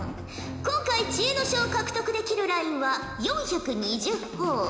今回知恵の書を獲得できるラインは４２０ほぉ。